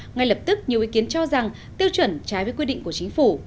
ngay lập tức nhiều ý kiến cho rằng tiêu chuẩn trái với quy định của chính phủ